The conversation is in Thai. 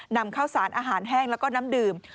นำเข้าสร้างอาหารแห้งและก็น้ำดื่ม